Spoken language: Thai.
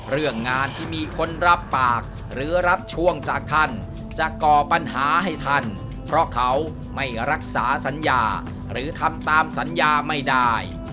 เรื่องงานที่มีคนรับปากหรือรับช่วงจากท่านจะก่อปัญหาให้ท่านเพราะเขาไม่รักษาสัญญาหรือทำตามสัญญาไม่ได้